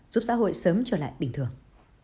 giúp xã hội sớm trở lại bình thường